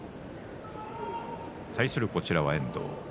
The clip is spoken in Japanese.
対するのは遠藤